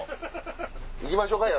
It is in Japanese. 行きましょか宿。